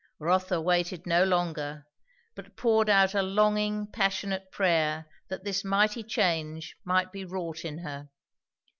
Rotha waited no longer, but poured out a longing, passionate prayer that this mighty change might be wrought in her.